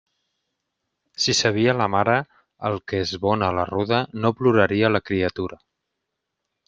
Si sabia la mare el que és bona la ruda, no ploraria la criatura.